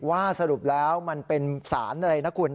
สรุปแล้วมันเป็นสารอะไรนะคุณ